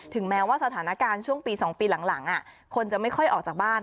แม้ว่าสถานการณ์ช่วงปี๒ปีหลังคนจะไม่ค่อยออกจากบ้าน